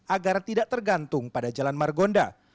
agar tidak tergantung pada jalan margonda